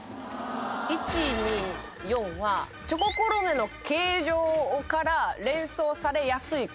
１２４はチョココロネの形状から連想されやすい事。